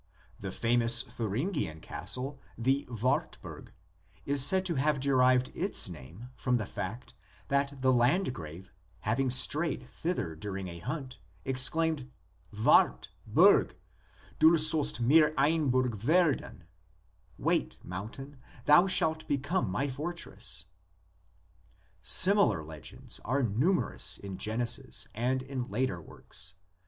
The famous Thuringian castle, the Wartburg, is said to have derived its name from the fact that the landgrave, having strayed thither during a hunt, exclaimed, "Wart, Berg, du sollst mir eine Burg werden" (Wait, mountain, thou shalt become my fortress). Similar legends are numerous in Genesis and in later works.